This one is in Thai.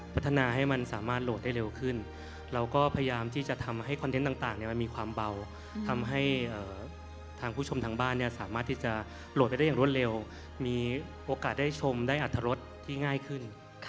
พัฒนาให้มันสามารถโหลดได้เร็วขึ้นเราก็พยายามที่จะทำให้คอนเทนต์ต่างมันมีความเบาทำให้ทางผู้ชมทางบ้านสามารถที่จะโหลดไปได้อย่างรวดเร็วมีโอกาสได้ชมได้อัตรรสที่ง่ายขึ้น